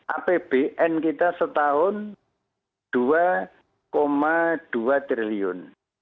apbn kita setahun dua dua triliun